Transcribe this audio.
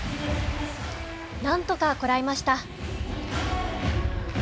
なんとかこらえました。